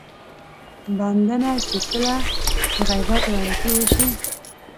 بنده نه چې کله د غيبت غلطي وشي.